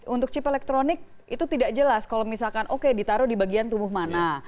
untuk chip elektronik itu tidak jelas kalau misalkan oke ditaruh di bagian tubuh mana